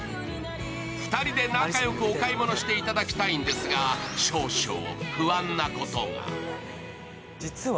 ２人で仲良くお買い物していただきたいんですが、少々、不安なことが。